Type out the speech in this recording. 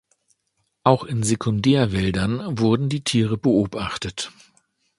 Auch in Sekundärwäldern wurden die Tiere beobachtet.